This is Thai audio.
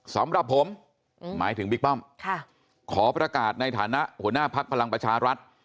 สำหรับผมหมายถึงบิ๊กป้อมขอประกาศในฐานะหัวหน้าภักดิ์พลังประชารัฐ